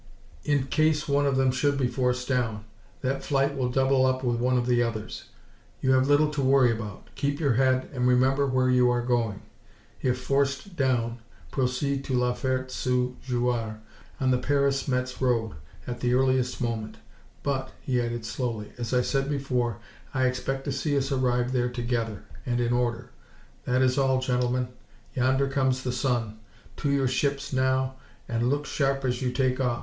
In case one of them should be forced down, that flight will double up with one of the others. You have little to worry about. Keep your head and remember where you are going. If forced down, proceed to La Ferte sous Jouarre, on the Paris Metz road, at the earliest moment. But," he added, slowly, "as I said before, I expect to see us arrive there together, and in order. That is all, gentlemen. Yonder comes the sun. To your ships now, and look sharp as you take off.